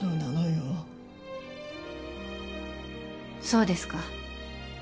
そうですか。